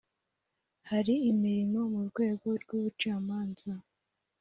hari imirimo mu rwego rw ‘ubucamanza